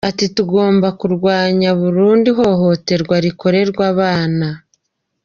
Ati “ Tugomba kurwanya burundu ihohoterwa rikorerwa abana.